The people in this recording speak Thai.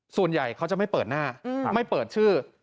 ส่วนใหญ่เขาจะไม่เปิดหน้าไม่เปิดชื่อ